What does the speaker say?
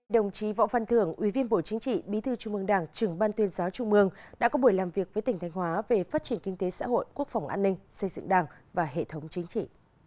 đồng chí võ văn thưởng ủy viên bộ chính trị bí thư trung mương đảng trưởng ban tuyên giáo trung mương đã có buổi làm việc với tỉnh thanh hóa về phát triển kinh tế xã hội quốc phòng an ninh xây dựng đảng và hệ thống chính trị